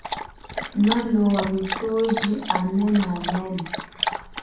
Nolowa misoji anene anene.